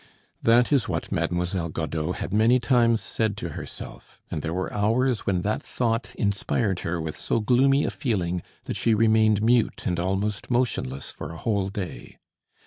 That is what Mademoiselle Godeau had many times said to herself; and there were hours when that thought inspired her with so gloomy a feeling that she remained mute and almost motionless for a whole day.